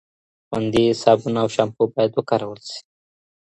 خوندي صابون او شامپو باید وکارول شي.